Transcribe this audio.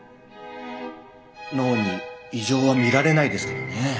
脳に異常は見られないですけどね。